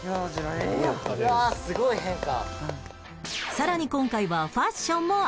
さらに今回はファッションもアプデ